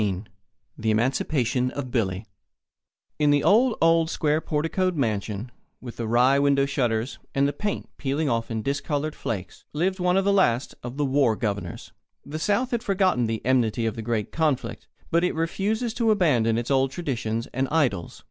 XIV THE EMANCIPATION OF BILLY In the old, old, square porticoed mansion, with the wry window shutters and the paint peeling off in discoloured flakes, lived one of the last of the war governors. The South has forgotten the enmity of the great conflict, but it refuses to abandon its old traditions and idols.